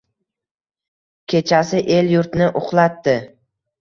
Kechasi el-yurtni uxlatdi.